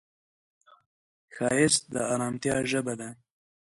ښایست د ارامتیا ژبه ده